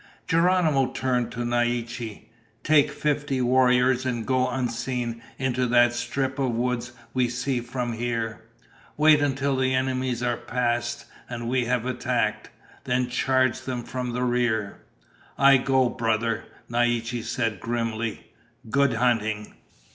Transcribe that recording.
Geronimo turned to Naiche. "Take fifty warriors and go unseen into that strip of woods we see from here. Wait until the enemies are past and we have attacked. Then charge them from the rear." "I go, brother," Naiche said grimly. "Good hunting."